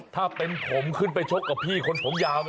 ถ้าเป็นผมขึ้นไปชกกับพี่คนผมยาว